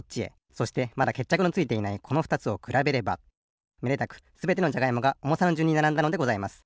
そしてまだけっちゃくのついていないこのふたつをくらべればめでたくすべてのじゃがいもがおもさのじゅんにならんだのでございます。